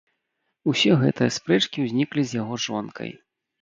Усе гэтыя спрэчкі ўзніклі з яго жонкай.